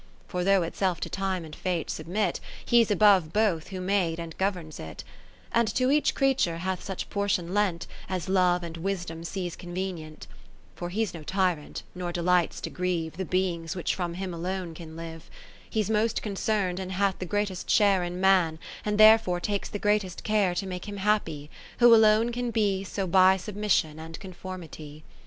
For though itself to Time and Fate subrnit. He 's above both who made and governs it ; And to each creature hath such por tion lent, As Love and Wisdom sees con venient. 40 For He 's no Tyrant^ nor delights to grieve The beings which from him alone can live. He's most concern'd, and hath the greatest share In Man, and therefore takes the greatest care To make him happy, who alone can be So by submission and conformity.